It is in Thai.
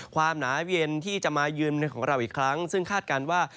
หนาเย็นที่จะมายืนในของเราอีกครั้งซึ่งคาดการณ์ว่า